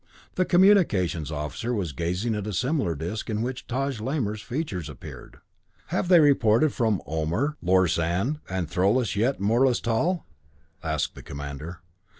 The Communications Officer was gazing at a similar disc in which Taj Lamor's features appeared. "Have they reported from Ohmur, Lorsand, and Throlus, yet, Morlus Tal?" asked the commander.